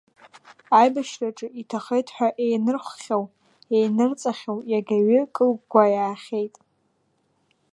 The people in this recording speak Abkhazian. Аибашьраҿы иҭахеит ҳәа еинырххьоу, еинырҵахьоу иагьаҩы кылгәгәа иаахьеит.